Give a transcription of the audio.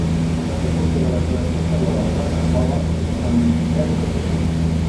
Va ser porter de la selecció espanyola de waterpolo en vint-i-tres ocasions.